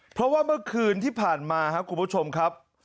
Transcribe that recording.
เพราะว่าเมื่อคืนที่ผ่านมาครับคุณผู้ชมครับ